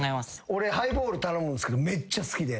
俺ハイボール頼むんですけどめっちゃ好きで。